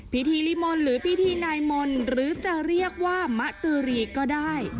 พิธีลิมนต์หรือพิธีนายมนต์หรือจะเรียกว่ามะตือรีก็ได้